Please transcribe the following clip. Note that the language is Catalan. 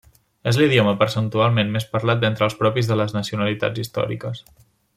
És l'idioma percentualment més parlat d'entre els propis de les nacionalitats històriques.